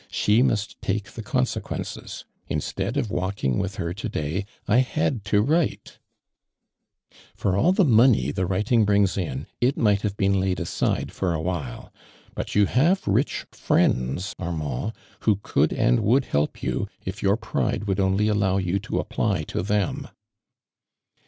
" She must take the consequences. Instead of walking out with her to day, I had to write." " For all the money the writing brings in, it might have been laid aside for a while ; but you have rich friends, Armand, you if your to apply to who could and would help pride would onlv allow vou them."